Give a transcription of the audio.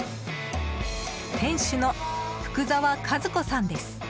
店主の福澤和子さんです。